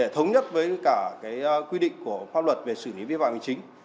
tức cả cái quy định của pháp luật về xử lý vi phạm hình chính